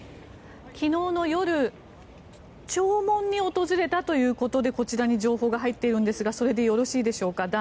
昨日の夜弔問に訪れたということでこちらに情報が入っているんですがそれでよろしいでしょうか。